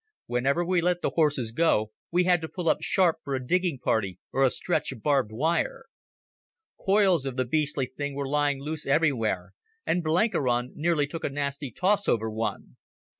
Whenever we let the horses go we had to pull up sharp for a digging party or a stretch of barbed wire. Coils of the beastly thing were lying loose everywhere, and Blenkiron nearly took a nasty toss over one.